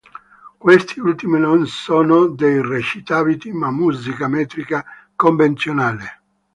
Questi ultimi non sono dei recitativi, ma musica metrica convenzionale.